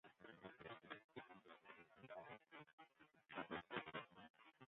Soenen wy in flesse wetter hawwe meie?